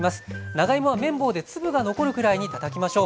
長芋は麺棒で粒が残るくらいにたたきましょう。